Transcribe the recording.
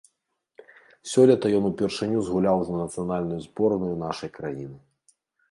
Сёлета ён упершыню згуляў за нацыянальную зборную нашай краіны.